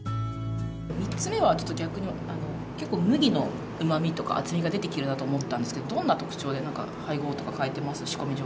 ３つ目は逆に麦のうまみとか厚みが出てくると思ったんですけどどんな特徴で配合とか変えてます。